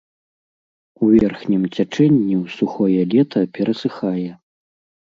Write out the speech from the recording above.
У верхнім цячэнні ў сухое лета перасыхае.